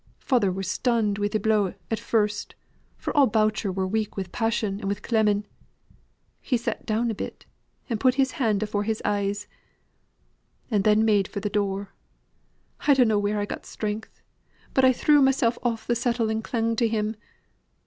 Father were stunned wi' the blow at first, for all Boucher were weak wi' passion and wi' clemming. He sat down a bit, and put his hand afore his eyes; and then made for th' door. I dunno' where I got strength, but I threw mysel' oh th' settle and clung to him.